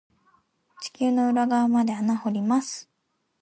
地球の裏側まで穴掘ります。